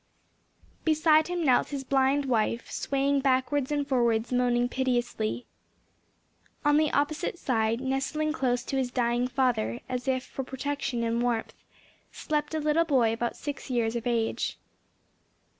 Beside him knelt his blind wife, swaying backwards and forwards moaning piteously. On the opposite side, nestling close to his dying father, as if for protection and warmth, slept a little boy of about six years of age.